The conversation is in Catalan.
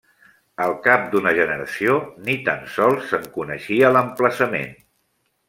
Al cap d'una generació, ni tan sols se'n coneixia l'emplaçament.